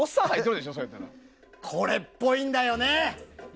これっぽいんだよね！